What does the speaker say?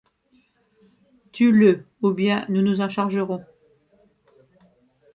Tue-le ou bien nous nous en chargerons…